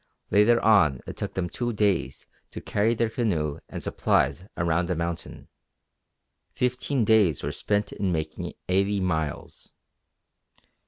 Later on it took them two days to carry their canoe and supplies around a mountain. Fifteen days were spent in making eighty miles.